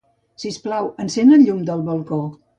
Sisplau, encén el llum del balcó.